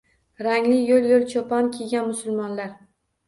Rangli yo‘l-yo‘l chopon kiygan musulmonlar